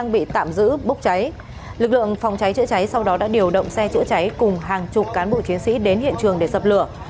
bị tạm giữ bốc cháy lực lượng phòng cháy chữa cháy sau đó đã điều động xe chữa cháy cùng hàng chục cán bộ chiến sĩ đến hiện trường để dập lửa